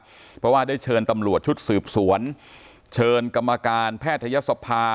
เพราะว่าได้เชิญตำรวจชุดสืบสวนเชิญกรรมการแพทยศภา